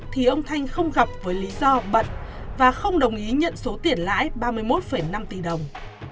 thì ông thanh không gặp với lý do bận và không đồng ý nhận số tiền lãi ba mươi một năm tỷ đồng